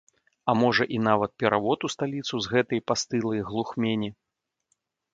А можа і нават перавод у сталіцу з гэтай пастылай глухмені.